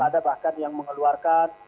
ada bahkan yang mengeluarkan